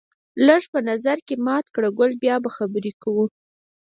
لږ په نظر کې مات کړه ګل بیا به خبرې کوو